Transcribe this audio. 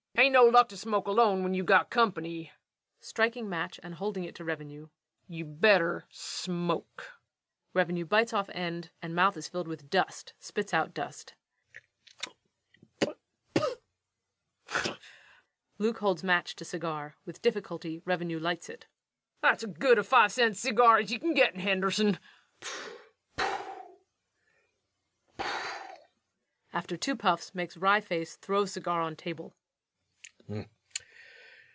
_ REVENUE. No, thank you. LUKE. It hain't no luck to smoke alone when ye got company. [Striking match and holding it to REVENUE.] Ye better smoke. [REVENUE bites off end and mouth is filled with dust, spits out dust. LUKE holds match to cigar. With difficulty REVENUE lights it.] That's as good a five cent cigar as ye can git in Henderson. REVENUE. [_After two puffs, makes wry face, throws cigar on table.